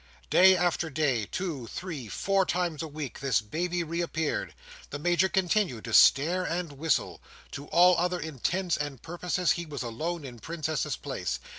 Day after day, two, three, four times a week, this Baby reappeared. The Major continued to stare and whistle. To all other intents and purposes he was alone in Princess's Place.